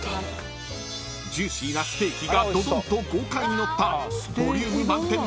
［ジューシーなステーキがドドンと豪快にのったボリューム満点の］